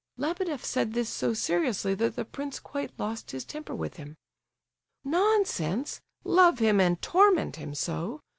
Lebedeff said this so seriously that the prince quite lost his temper with him. "Nonsense! love him and torment him so!